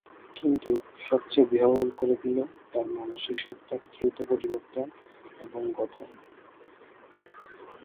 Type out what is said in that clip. কিন্তু সবচেয়ে বিহ্বল করে দিল তার মানসিক সত্তার দ্রুত পরিবর্তন এবং গঠন।